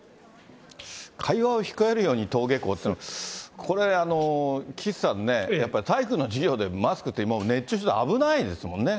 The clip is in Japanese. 会話を控えるように登下校っていうのも、これ、岸さんね、やっぱり体育の授業でマスクってもう、熱中症で危ないですもんね。